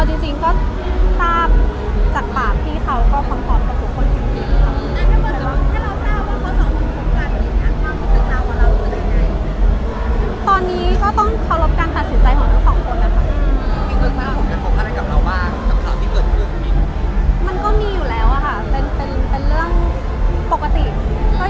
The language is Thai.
จริงก็ทราบจากปากที่เขาก็คอนพอร์ตกับผู้คนจริง